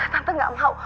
tante gak mau